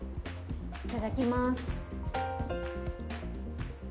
いただきます。